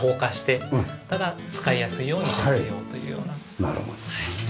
なるほどね。